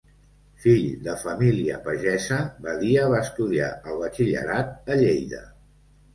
Fill de família pagesa, Badia va estudiar el batxillerat a Lleida.